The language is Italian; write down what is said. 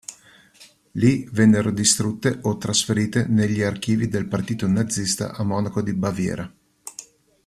Li vennero distrutte o trasferite negli archivi del partito nazista a Monaco di Baviera.